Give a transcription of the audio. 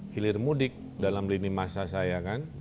hilir mudik dalam lini masa saya kan